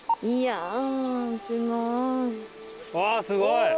いやぁすごい。